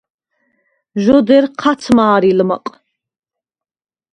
ჟ’ოდერ ჴაც მა̄რილმჷყ.